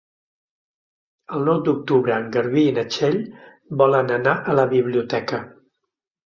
El nou d'octubre en Garbí i na Txell volen anar a la biblioteca.